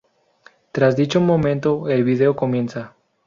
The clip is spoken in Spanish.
Tras dicho momento, el vídeo comienza.